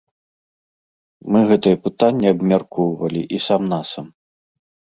Мы гэтае пытанне абмяркоўвалі і сам-насам.